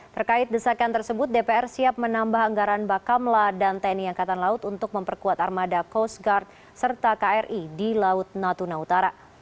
terkait desakan tersebut dpr siap menambah anggaran bakamla dan tni angkatan laut untuk memperkuat armada coast guard serta kri di laut natuna utara